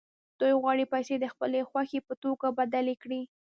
دوی غواړي پیسې د خپلې خوښې په توکو بدلې کړي